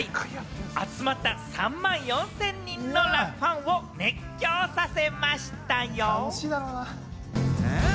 集まった３万４０００人のファンを熱狂させましたよ。